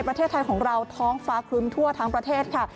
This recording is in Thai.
ประเทศไทยของเราท้องฟ้าครึ้มทั่วทั้งประเทศค่ะ